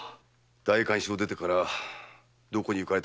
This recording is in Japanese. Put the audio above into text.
代官所を出てからどこに行かれたかわからぬのだ。